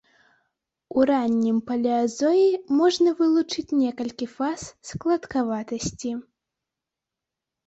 У раннім палеазоі можна вылучыць некалькі фаз складкаватасці.